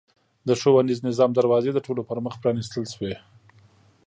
د ښوونیز نظام دروازې د ټولو پرمخ پرانېستل شوې.